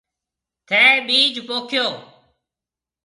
ٿَي ٻِيج پوکيو۔